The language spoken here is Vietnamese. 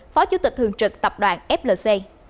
phó chủ tịch thường trực tập đoàn flc